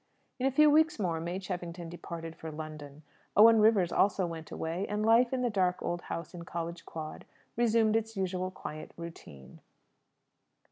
In a few weeks more May Cheffington departed for London; Owen Rivers also went away, and life in the dark old house in College Quad resumed its usual quiet routine.